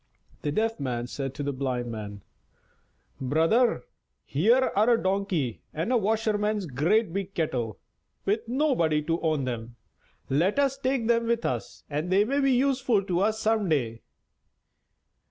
The Deaf Man said to the Blind Man: "Brother, here are a Donkey and a washerman's great big kettle, with nobody to own them! Let us take them with us they may be useful to us some day."